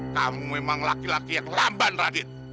kamu memang laki laki yang lamban radit